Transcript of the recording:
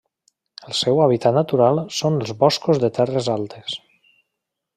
El seu hàbitat natural són els boscos de terres altes.